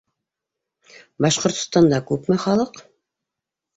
Башҡортостанда күпме халыҡ?